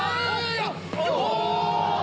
お！